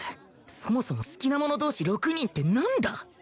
そもそも好きな者同士６人ってなんだ？